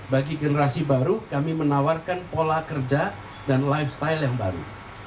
bagi generasi baru kami menawarkan pola kerja dan lifestyle yang baru